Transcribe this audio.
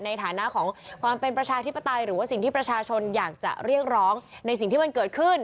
ในฐานะของความเป็นประชาธิปไตยหรือว่าสิ่งที่ประชาชนอยากจะเรียกร้องในสิ่งที่มันเกิดขึ้น